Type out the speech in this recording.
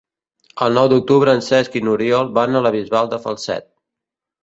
El nou d'octubre en Cesc i n'Oriol van a la Bisbal de Falset.